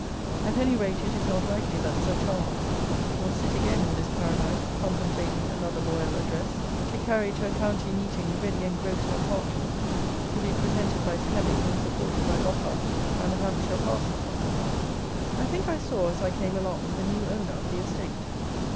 At any rate it is not likely that "Sir Charles" will sit again in this paradise contemplating another loyal address, to carry to a county meeting ready engrossed on parchment, to be presented by Fleming and supported by Lockhart and the "Hampshire parsons." I think I saw, as I came along, the new owner of the estate.